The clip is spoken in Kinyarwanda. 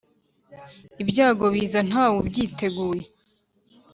Ibyago biza ntawubyiteguye